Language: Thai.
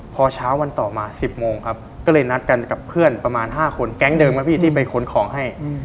พอเช้าวันต่อมา๑๐โมงครับก็เลยนัดกันกับเพื่อนประมาณ๕คนแก๊งเดิมนะพี่ที่ไปค้นของให้